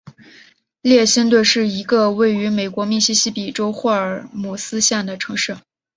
列辛顿是一个位于美国密西西比州霍尔姆斯县的城市。